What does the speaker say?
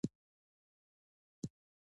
لیک په کابل امیر ته واستول شي.